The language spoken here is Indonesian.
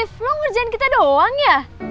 div lo ngerjain kita doang ya